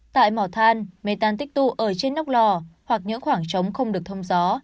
tại mỏ than mê tan tích tụ ở trên nóc lò hoặc những khoảng trống không được thông gió